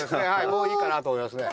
もういいかなと思いますね。